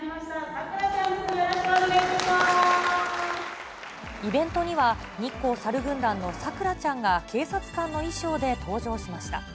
さくらちイベントには、日光さる軍団のさくらちゃんが警察官の衣装で登場しました。